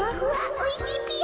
おいしいぴよ。